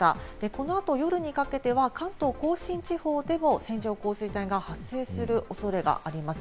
このあと夜にかけては関東甲信地方でも線状降水帯が発生する恐れがあります。